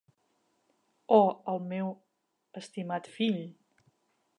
Oh, el meu estimat fill!